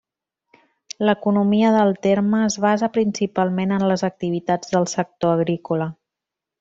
L'economia del terme es basa principalment en les activitats del sector agrícola.